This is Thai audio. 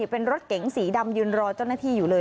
เป็นรถเก๋งสีดำยืนรอเจ้าหน้าที่อยู่เลย